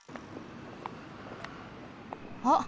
あっ！